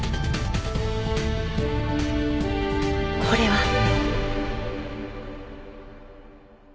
これは！